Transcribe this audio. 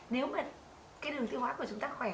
nếu mà đường tiêu hóa của chúng ta khỏe